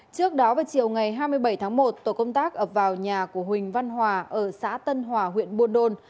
trước đó vào chiều ngày hai mươi bảy tháng một tổ công tác ập vào nhà của huỳnh văn hòa ở xã tân hòa huyện buôn đôn